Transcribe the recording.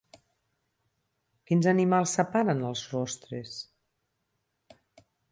Quins animals separen els rostres?